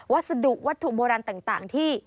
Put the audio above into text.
วัสดุวัตถุโบราณต่างที่